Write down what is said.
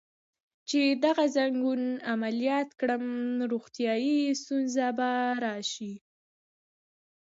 چې دغه ځنګون عملیات کړم، روغتیایی ستونزه به راشي.